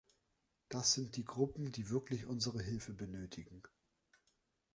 Das sind die Gruppen, die wirklich unsere Hilfe benötigen.